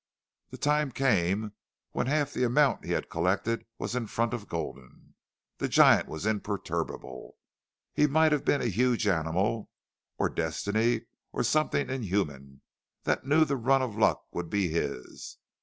The time came when half the amount he had collected was in front of Gulden. The giant was imperturbable. He might have been a huge animal, or destiny, or something inhuman that knew the run of luck would be his.